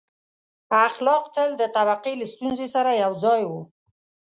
• اخلاق تل د طبقې له ستونزې سره یو ځای وو.